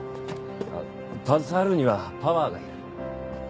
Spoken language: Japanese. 携わるにはパワーがいる。